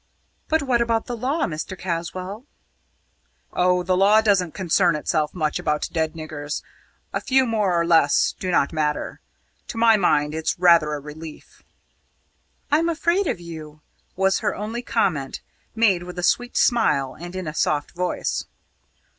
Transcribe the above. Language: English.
"But what about the law, Mr. Caswall?" "Oh, the law doesn't concern itself much about dead niggers. A few more or less do not matter. To my mind it's rather a relief!" "I'm afraid of you," was her only comment, made with a sweet smile and in a soft voice.